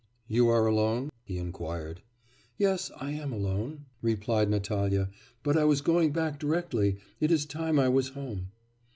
'You are alone?' he inquired. 'Yes, I am alone,' replied Natalya, 'but I was going back directly. It is time I was home.